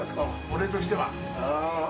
俺としては。